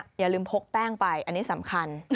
อย่าลืมพกแป้งไปอันนี้สำคัญ